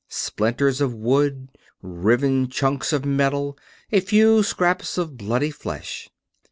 Splinters of wood, riven chunks of metal, a few scraps of bloody flesh.